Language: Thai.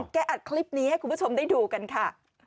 อัดคลิปนี้ให้คุณผู้ชมได้ดูกันค่ะ